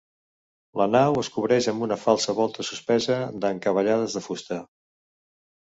La nau es cobreix amb una falsa volta suspesa d'encavallades de fusta.